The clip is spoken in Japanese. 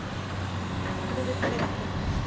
これでタレができました。